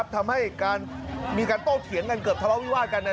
ทำให้การมีการโต้เถียงกันเกือบทะเลาะวิวาดกัน